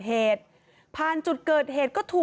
กลุ่มวัยรุ่นฝั่งพระแดง